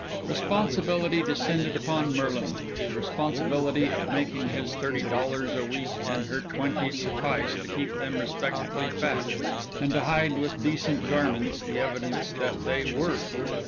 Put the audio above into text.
Responsibility descended upon Merlin, the responsibility of making his thirty dollars a week and her twenty suffice to keep them respectably fat and to hide with decent garments the evidence that they were.